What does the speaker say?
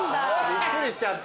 びっくりしちゃったよ。